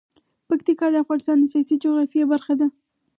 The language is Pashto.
پکتیکا د افغانستان د سیاسي جغرافیه برخه ده.